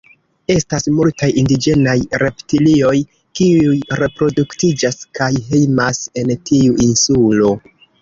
Estas multaj indiĝenaj reptilioj kiuj reproduktiĝas kaj hejmas en tiu insulo.